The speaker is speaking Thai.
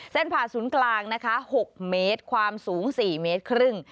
ผ่าศูนย์กลางนะคะ๖เมตรความสูง๔เมตรครึ่ง